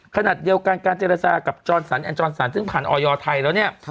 ขณะเดียวกันการเจรจากับจรสันแอนจรสันซึ่งผ่านออยไทยแล้วเนี่ย